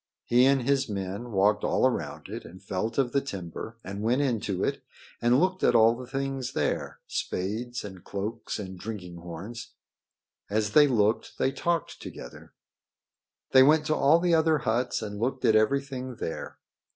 He and his men walked all around it and felt of the timber and went into it and looked at all the things there spades and cloaks and drinking horns. As they looked they talked together. They went to all the other huts and looked at everything there.